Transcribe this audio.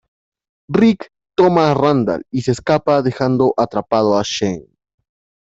Rick toma a Randall y se escapa dejando atrapado a Shane.